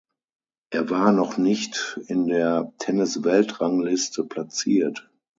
Er war noch nicht in der Tennisweltrangliste platziert.